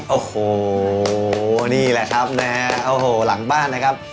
โอ้โหนี่แหละครับนะฮะโอ้โหหลังบ้านนะครับ